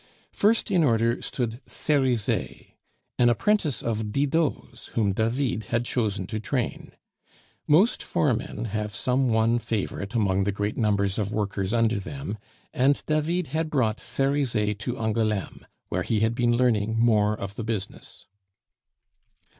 First in order stood Cerizet, an apprentice of Didot's, whom David had chosen to train. Most foremen have some one favorite among the great numbers of workers under them, and David had brought Cerizet to Angouleme, where he had been learning more of the business.